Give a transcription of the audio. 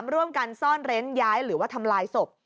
ร่วมกันซ่อนเร้นย้ายหรือว่าทำลายศพ